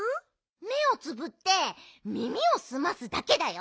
めをつぶってみみをすますだけだよ。